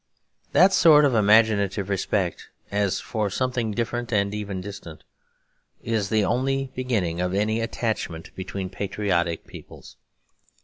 That sort of imaginative respect, as for something different and even distant, is the only beginning of any attachment between patriotic peoples.